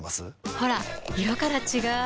ほら色から違う！